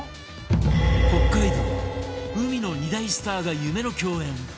北海道海の２大スターが夢の共演